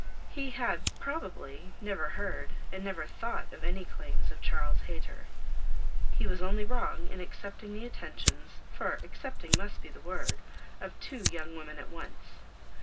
He had, probably, never heard, and never thought of any claims of Charles Hayter. He was only wrong in accepting the attentions (for accepting must be the word) of two young women at once.